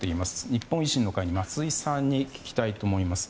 日本維新の会の松井さんに聞きたいと思います。